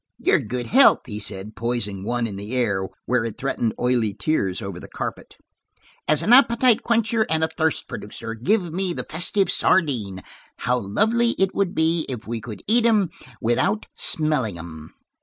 "Your good health," he said, poising one in the air, where it threatened oily tears over the carpet. "As an appetite quencher and thirst producer, give me the festive sardine. How lovely it would be if we could eat 'em without smelling 'em!"